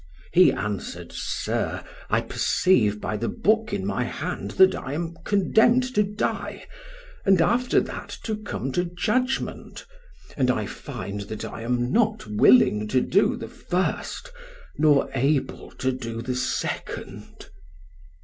"He answered, 'Sir, I perceive by the book in my hand, that I am condemned to die, and after that to come to judgment; and I find that I am not willing to do the first, nor able to do the second.'